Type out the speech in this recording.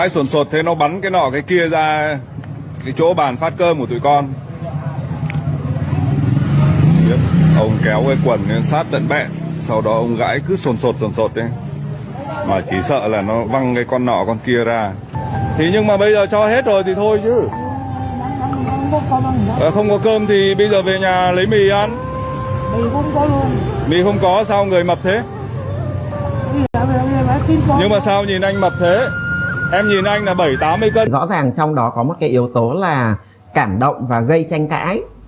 rõ ràng trong đó có một cái yếu tố là cảm động và gây tranh cãi